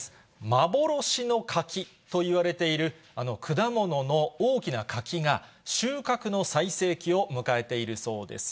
幻の柿といわれている、あの果物の大きな柿が、収穫の最盛期を迎えているそうです。